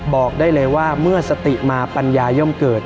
บอกได้เลยว่าเมื่อสติมาปัญญาย่อมเกิด